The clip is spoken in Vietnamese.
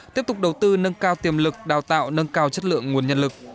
tiếp tục đầu tư nâng cao tiềm lực đào tạo nâng cao chất lượng nguồn nhân lực